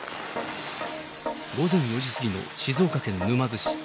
午前４時過ぎの静岡県沼津市。